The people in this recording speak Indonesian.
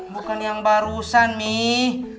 bukan yang barusan mimi